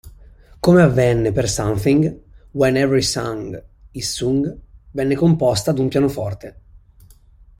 Come avvenne per "Something", "When Every Song Is Sung" venne composta ad un pianoforte.